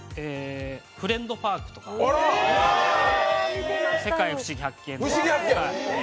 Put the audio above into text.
「フレンドパーク」とか「世界ふしぎ発見！」とか。